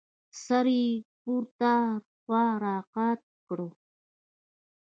سر يې پورته خوا راقات کړ.